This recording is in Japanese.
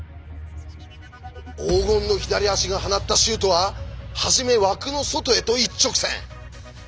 黄金の左足が放ったシュートは初め枠の外へと一直線！